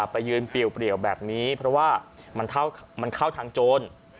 เพราะว่ามันเข้าทางโจร